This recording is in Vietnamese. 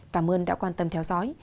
cảm ơn đã quan tâm theo dõi